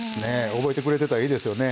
覚えてくれてたらいいですよね。